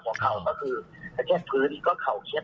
หัวเข่าก็คือหลังแสงพื้นก็เข่าเคล็ด